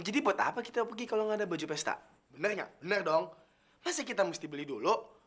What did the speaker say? jadi buat apa kita pergi kalau gak ada baju pesta bener gak bener dong masa kita mesti beli dulu